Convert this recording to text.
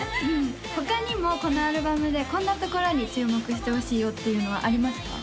他にもこのアルバムでこんなところに注目してほしいよっていうのはありますか？